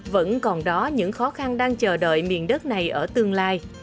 vẫn còn đó những khó khăn đang chờ đợi miền đất này ở tương lai